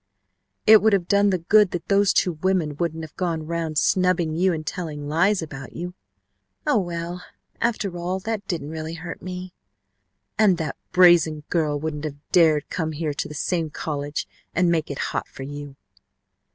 "It would have done the good that those two women wouldn't have gone around snubbing you and telling lies about you " "Oh, well, after all, that didn't really hurt me " "And that brazen girl wouldn't have dared come here to the same college and make it hot for you